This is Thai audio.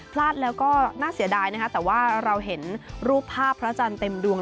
พลาดแล้วก็น่าเสียดายนะคะแต่ว่าเราเห็นรูปภาพพระอาจารย์เต็มดวง